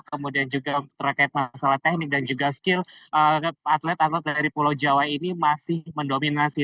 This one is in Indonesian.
kemudian juga terkait masalah teknik dan juga skill atlet atlet dari pulau jawa ini masih mendominasi